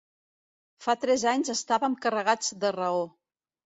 Fa tres anys estàvem carregats de raó.